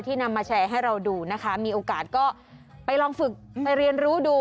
นำมาแชร์ให้เราดูนะคะมีโอกาสก็ไปลองฝึกไปเรียนรู้ดู